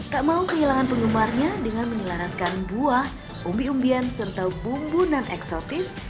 tak mau kehilangan penggemarnya dengan menyelaraskan buah umbi umbian serta bumbu non eksotis